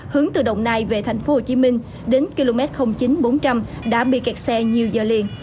hướng từ đồng nai về tp hcm đến km chín bốn trăm linh đã bị kẹt xe nhiều giờ liền